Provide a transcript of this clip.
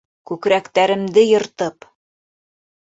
Күкрәктәремде йыртып!